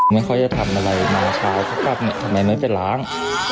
ไม่ค่อยจะทำอะไรน้องชายเขากลับเนี่ยทำไมไม่ไปล้าง